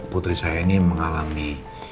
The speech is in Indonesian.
putri saya ini mengalami